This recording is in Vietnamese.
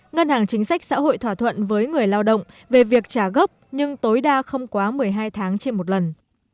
ngân hàng chính sách xã hội thỏa thuận với người lao động về việc trả gốc nhưng tối đa không quá một mươi hai tháng trên một lần